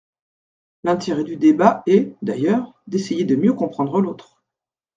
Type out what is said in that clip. L’intérêt du débat est, d’ailleurs, d’essayer de mieux comprendre l’autre.